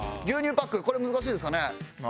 牛乳パックこれ難しいですかね？